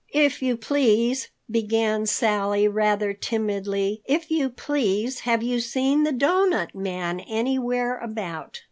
"If you please," began Sally rather timidly, "if you please, have you seen the Doughnut Man anywhere about?"